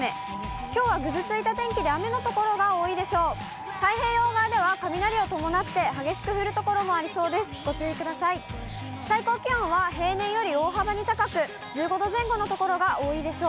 きょうはぐずついた天気で、雨の所が多いでしょう。